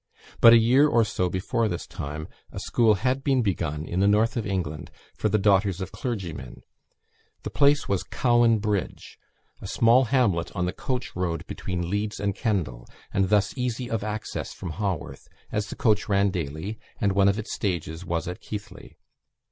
But a year or so before this time, a school had been begun in the North of England for the daughters of clergymen. The place was Cowan Bridge, a small hamlet on the coach road between Leeds and Kendal, and thus easy of access from Haworth, as the coach ran daily, and one of its stages was at Keighley.